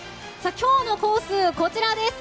今日のコース、こちらです。